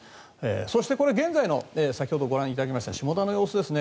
そしてこれ、現在の先ほどご覧いただきました下田の様子ですね